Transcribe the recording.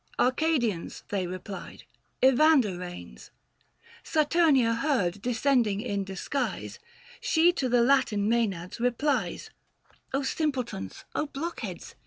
"Arcadians," they replied, "Evander reigns." Saturnia heard, descending in disguise, 605 She to the Latin Maenades replies, r simpletons, blockheads